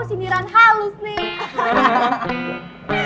sindiran halus nih